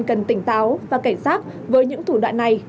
cần tỉnh táo và cảnh giác với những thủ đoạn này